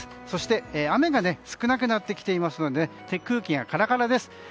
そして、雨が少なくなってきていますので空気がカラカラです。